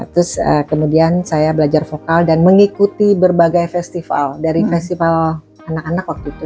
terus kemudian saya belajar vokal dan mengikuti berbagai festival dari festival anak anak waktu itu